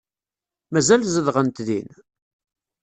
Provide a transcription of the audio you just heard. Mazal zedɣent din?